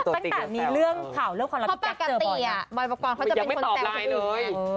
ใสตักมีเรื่องข่าวเรื่องรับจังจับบ่อยรี่ยรี่ยังไม่ตอบไลน์เลย